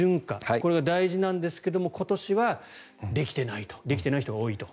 これが大事なんですが今年はできていない人が多いと。